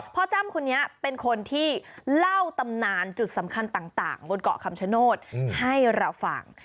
จ้ำคนนี้เป็นคนที่เล่าตำนานจุดสำคัญต่างบนเกาะคำชโนธให้เราฟัง